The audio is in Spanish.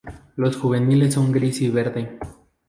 Los juveniles son gris y verde.